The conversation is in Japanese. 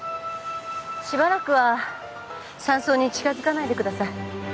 しばらくは山荘に近づかないでください。